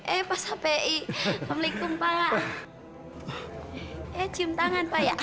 eh cium tangan pak ya